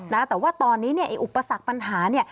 นะแต่ว่าตอนนี้เนี่ยไอ้อุปสรรคปัญหาเนี่ย